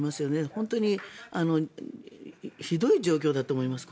本当にひどい状況だと思います